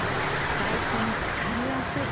最近疲れやすい。